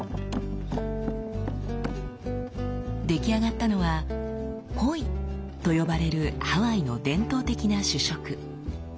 出来上がったのは「ポイ」と呼ばれるハワイの伝統的な主食。